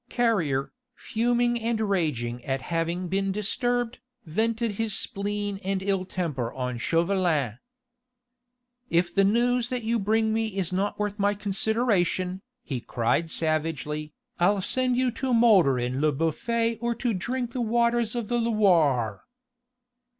Carrier, fuming and raging at having been disturbed, vented his spleen and ill temper on Chauvelin. "If the news that you bring me is not worth my consideration," he cried savagely, "I'll send you to moulder in Le Bouffay or to drink the waters of the Loire."